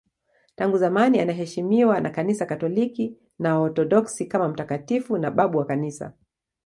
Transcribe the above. Tangu zamani anaheshimiwa na Kanisa Katoliki na Waorthodoksi kama mtakatifu na babu wa Kanisa.